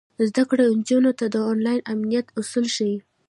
زده کړه نجونو ته د انلاین امنیت اصول ښيي.